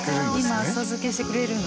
今浅漬けしてくれるの？